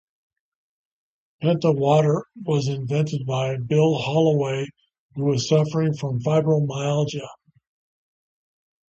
Penta Water was invented by Bill Holloway who was suffering from fibromyalgia.